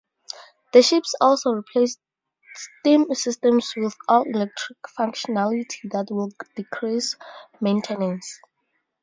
The ships also replaced steam systems with all-electric functionality that will decrease maintenance.